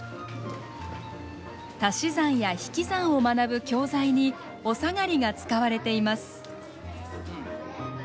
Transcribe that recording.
足し算や引き算を学ぶ教材におさがりが使われています。